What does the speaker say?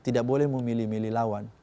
tidak boleh memilih milih lawan